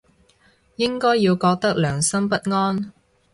應該要覺得良心不安